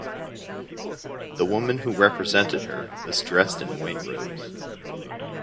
The woman who represented her was dressed in white robes.